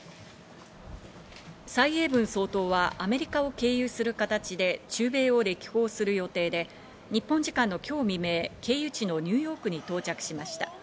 サイ・エイブン総統はアメリカを経由する形で中米を歴訪する予定で、日本時間の今日未明、経由地のニューヨークに到着しました。